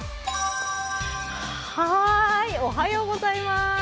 おはようございます。